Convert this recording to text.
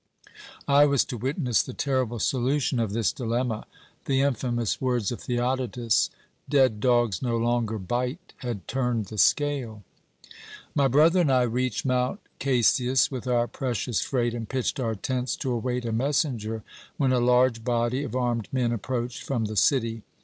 I was to witness the terrible solution of this dilemma. The infamous words of Theodotus, 'Dead dogs no longer bite,' had turned the scale. "My brother and I reached Mount Casius with our precious freight, and pitched our tents to await a messenger, when a large body of armed men approached from the city.